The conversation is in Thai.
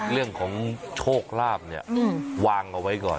เรื่องของโชคลาบวางเอาไว้ก่อน